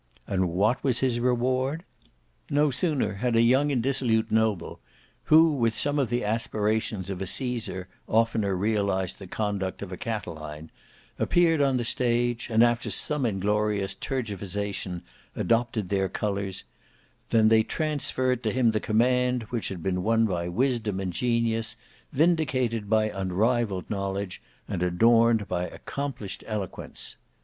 And what was his reward? No sooner had a young and dissolute noble, who with some of the aspirations of a Caesar oftener realised the conduct of a Catiline, appeared on the stage, and after some inglorious tergiversation adopted their colours, than they transferred to him the command which had been won by wisdom and genius, vindicated by unrivalled knowledge, and adorned by accomplished eloquence.